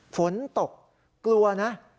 ฝนตกกลัวนะ